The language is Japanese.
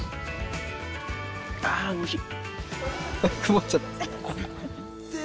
あおいしい。